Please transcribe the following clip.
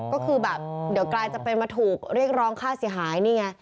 ก็คือแบบเดี๋ยวกลายจะมาถูกเรียกร้องค่าเสียหาย